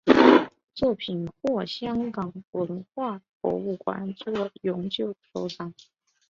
作品获香港文化博物馆作永久收藏。